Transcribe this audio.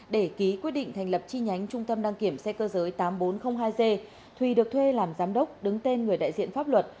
để ký quyết định thành lập chi nhánh trung tâm đăng kiểm xe cơ giới tám nghìn bốn trăm linh hai g thùy được thuê làm giám đốc đứng tên người đại diện pháp luật